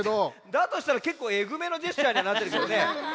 だとしたらけっこうえぐめのジェスチャーにはなってるけどね。